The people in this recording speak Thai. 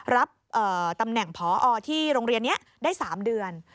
รับตำแหน่งพอที่โรงเรียนนี้ได้๓เดือน